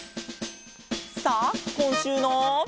さあこんしゅうの。